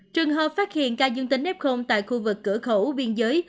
trường hợp phát hiện ca dương tính f tại khu vực cửa khẩu biên giới